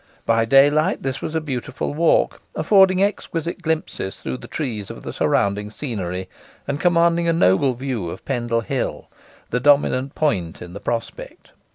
By daylight this was a beautiful walk, affording exquisite glimpses through the trees of the surrounding scenery, and commanding a noble view of Pendle Hill, the dominant point in the prospect.